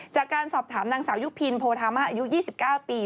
จากการสอบถามนางสาวยุพินโพธามาอายุ๒๙ปี